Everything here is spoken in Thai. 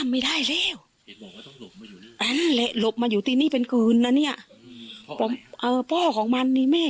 ไม่ได้แล้วนั่นแหละหลบมาอยู่ที่นี่เป็นคืนนะเนี่ยพ่อของมันนี่แม่